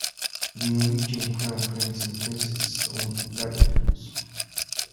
The Norwegian crown prince and princess own labradoodles.